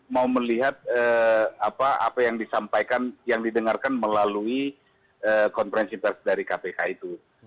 mau melihat apa yang disampaikan yang didengarkan melalui konferensi pers dari kpk itu